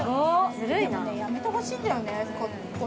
ずるいなでもねやめてほしいんだよね